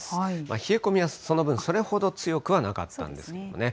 冷え込みはその分、それほど強くはなかったんですけどね。